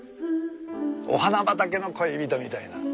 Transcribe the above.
お花畑の恋人みたいな。